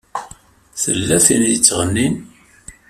Tella tin i yettɣennin.